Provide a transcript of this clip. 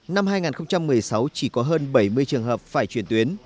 năm hai nghìn một mươi sáu chỉ có hơn bảy mươi trường hợp phải chuyển tuyến